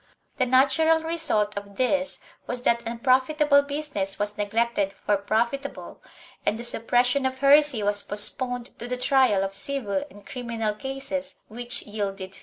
The natural result of this was that unprofitable business was neglected for profitable, and the suppression of heresy was post poned to the trial of civil and criminal cases which yielded fees.